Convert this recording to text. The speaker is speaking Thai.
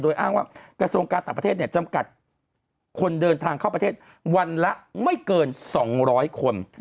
อ้างว่ากระทรวงการต่างประเทศจำกัดคนเดินทางเข้าประเทศวันละไม่เกิน๒๐๐คน